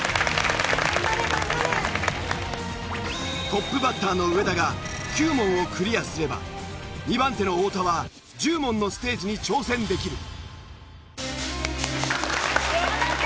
トップバッターの上田が９問をクリアすれば２番手の太田は１０問のステージに挑戦できる。